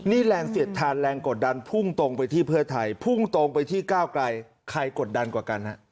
นี่แรงเสียดทานแรงกดดันพุ่งตรงไปที่เพื่อไทยพุ่งตรงไปที่ก้าวไกลใครกดดันกว่ากันฮะ